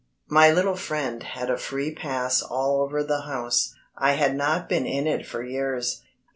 My little friend had a free pass all over the house. I had not been in it for years.